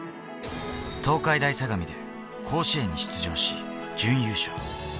東海大相模で甲子園に出場し準優勝。